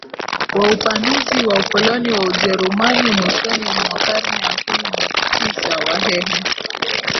wa upanuzi wa ukoloni wa Ujerumani mwishoni mwa karne ya kumi na tisaWahehe